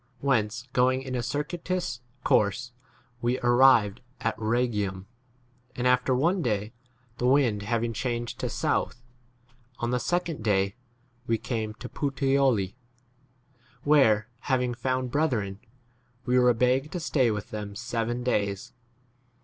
Whence, going in a circuitous course, we arrived at Ehegium ; and after one day, the wind having changed to south, on the second day we came to 14 Puteoli, where, having found brethren, we were begged to stay with them seven days.